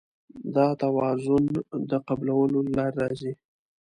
دا توازن د قبلولو له لارې راځي.